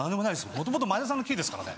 元々前田さんのキーですからね。